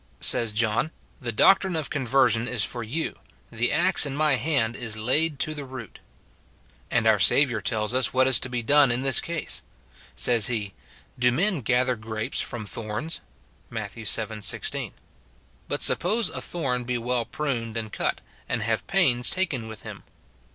Says John, " The doctrine of conversion is for you; the axe in my hand is laid to the root." And our Saviour tells us what is to be done in this case ; says he, "Do men gather grapes from thorns?" Matt. vii. 16. But suppose a thorn be well pruned and cut, and have pains taken with him?